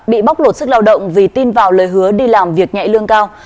bị bóc lột sức lao động vì tin vào lời hứa đi làm việc nhẹ lương cao